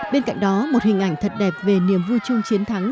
bên cạnh đó một hình ảnh thật đẹp về niềm vui chung chiến thắng